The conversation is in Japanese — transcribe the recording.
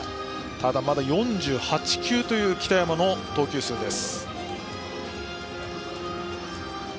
ただ、まだ４８球という北山の投球数です。